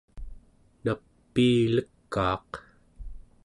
napiilekaaq